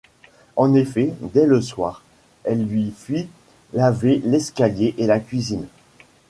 En effet, dès le soir, elle lui fit laver l’escalier et la cuisine.